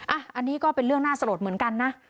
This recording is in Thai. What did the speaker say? อันนี้ก็เป็นเรื่องน่าสลดเหมือนกันนะ